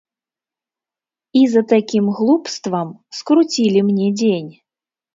І за такім глупствам скруцілі мне дзень.